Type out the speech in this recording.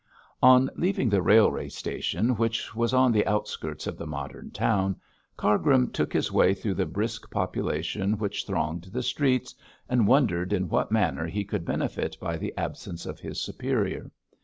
On leaving the railway station, which was on the outskirts of the modern town, Cargrim took his way through the brisk population which thronged the streets, and wondered in what manner he could benefit by the absence of his superior.